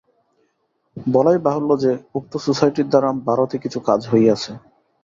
বলাই বাহুল্য যে, উক্ত সোসাইটির দ্বারা ভারতে কিছু কাজ হইয়াছে।